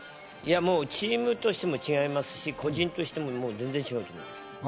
チームとしても違いますし、個人としても全然違うと思います。